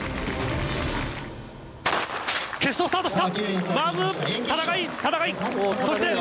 決勝スタートした。